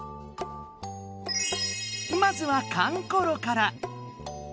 まずはかんころから！